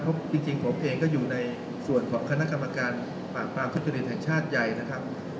เพราะจริงจริงผมเองก็อยู่ในส่วนของคณะกรรมการปากปลาพฤติศาสตร์ใหญ่นะครับ